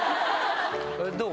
どう？